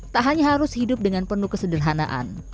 tak hanya harus hidup dengan penuh kesederhanaan